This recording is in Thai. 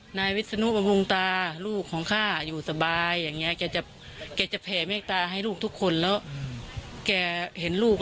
ไอนาวีสนุกรมตาลูกของค่าอยู่สบายอย่างแน่จับแกจะแพลคเนื้อตาให้ลูกทุกคนแล้วแกเห็นลูก